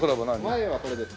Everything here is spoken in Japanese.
前はこれです。